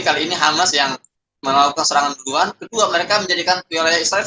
kali ini hamas yang melakukan keselamatan ke kak mereka menjadikan pilihan israel